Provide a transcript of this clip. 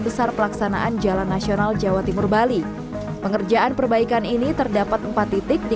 besar pelaksanaan jalan nasional jawa timur bali pengerjaan perbaikan ini terdapat empat titik di